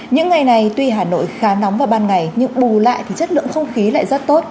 những ngày này tuy hà nội khá nóng vào ban ngày nhưng bù lại thì chất lượng không khí lại rất tốt